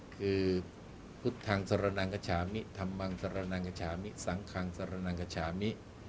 คือพุทธังสรรณากระชามิเธอม่างสรรณากระชามิสังคังสรรณกระชามิ